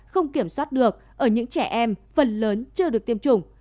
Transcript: không kiểm soát được ở những trẻ em phần lớn chưa được tiêm chủng